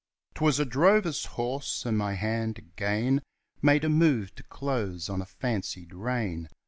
'Twas a drover's horse, and my hand again Made a move to close on a fancied rein.